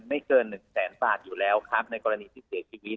เกินหนึ่งแสนบาทอยู่แล้วครับในกรณีที่เสียชีวิต